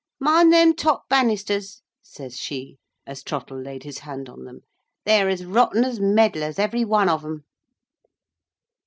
"Mind them top bannisters," says she, as Trottle laid his hand on them. "They are as rotten as medlars every one of 'em."